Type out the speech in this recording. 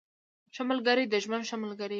ښه ملګري د ژوند ښه ملګري وي.